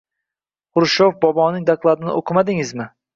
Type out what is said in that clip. Xrushyov boboning dokladini o‘qimadingizmi?